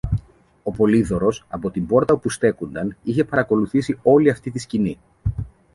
Ο Πολύδωρος, από την πόρτα όπου στέκουνταν, είχε παρακολουθήσει όλη αυτή τη σκηνή